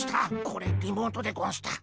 これリモートでゴンした。